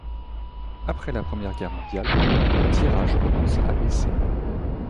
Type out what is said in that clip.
Après la Première guerre mondiale, le tirage commence à baisser.